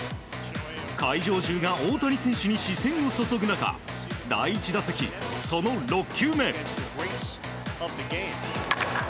会場中が大谷選手に視線を注ぐ中第１打席、その６球目。